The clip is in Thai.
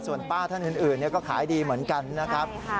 ส่วนป้าท่านอื่นก็ขายดีเหมือนกันนะครับ